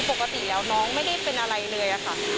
ปกติแล้วน้องไม่ได้เป็นอะไรเลยค่ะ